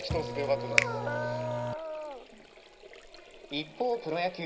一方、プロ野球。